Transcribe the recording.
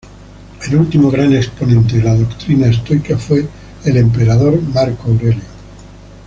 El último gran exponente de la doctrina estoica fue el emperador Marco Aurelio.